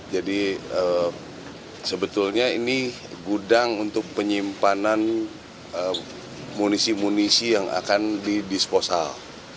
jadi sebetulnya ini gudang untuk penyimpanan amunisi amunisi yang akan didisposal